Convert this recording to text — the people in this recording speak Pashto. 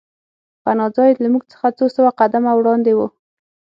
پناه ځای له موږ څخه څو سوه قدمه وړاندې و